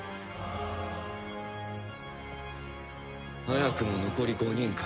早くも残り５人か。